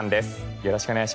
よろしくお願いします。